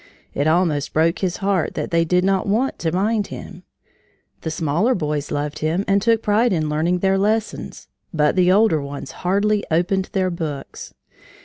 It almost broke his heart that they did not want to mind him. The smaller boys loved him and took pride in learning their lessons, but the older ones hardly opened their books.